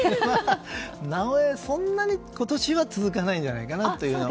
なおエ、そんなに今年は続かないんじゃないかな。